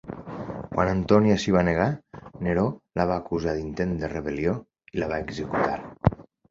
Quan Antonia s'hi va negar, Neró la va acusar d'intent de rebel·lió i la va executar.